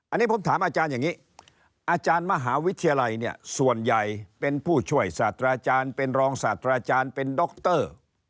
อันนี้ผมถามอาจารย์อย่างนี้อาจารย์มหาวิทยาลัยเนี่ยส่วนใหญ่เป็นผู้ช่วยศาสตราจารย์เป็นรองศาสตราจารย์เป็นดร